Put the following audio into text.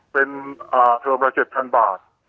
เป็นเทอมละ๗๐๐บาท